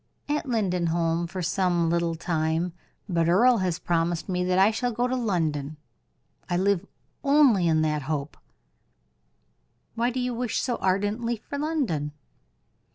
"At Lindenholm for some little time: but Earle has promised me that I shall go to London. I live only in that hope." "Why do you wish so ardently for London?"